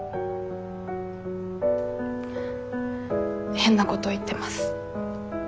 変なこと言ってます。